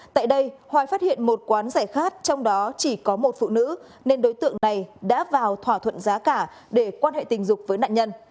tại đây hoài phát hiện một quán giải khát trong đó chỉ có một phụ nữ nên đối tượng này đã vào thỏa thuận giá cả để quan hệ tình dục với nạn nhân